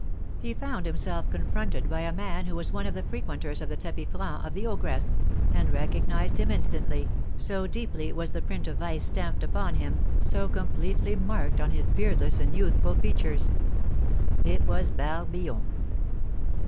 He found himself confronted by a man who was one of the frequenters of the tapis franc of the ogress, and recognised him instantly, so deeply was the print of vice stamped upon him, so completely marked on his beardless and youthful features. It was Barbillon.